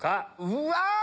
うわ！